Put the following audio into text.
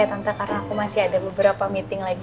tante karena aku masih ada beberapa meeting lagi